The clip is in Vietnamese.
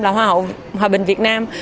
là hoa hậu hòa bình việt nam